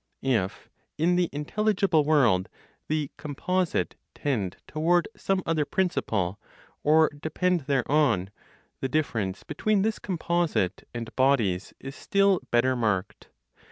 If, in the intelligible world, the composite tend toward some other principle, or depend thereon, the difference between this composite and bodies is still better marked.